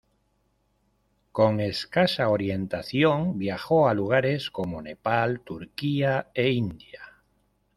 Con escasa orientación, viajó a lugares como Nepal, Turquía e India.